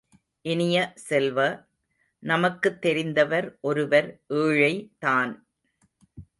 இனிய செல்வ, நமக்குத் தெரிந்தவர் ஒருவர் ஏழை தான்!